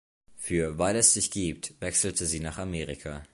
Für "Weil es Dich gibt" wechselte sie nach Amerika.